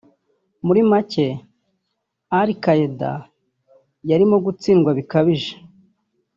"Muri make Al Qaeda yarimo gutsindwa bikabije